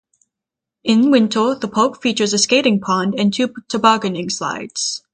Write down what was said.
In winter the park features a skating pond and two tobogganing slides.